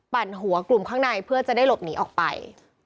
หัวกลุ่มข้างในเพื่อจะได้หลบหนีออกไป